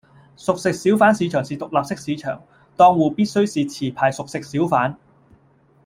熟食小販市場是獨立式市場，檔戶必須是持牌熟食小販